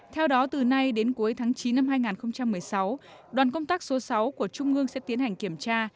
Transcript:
theo đó từ nay đến cuối tháng chín năm hai nghìn một mươi sáu đoàn công tác số sáu của trung ương sẽ tiến hành kiểm tra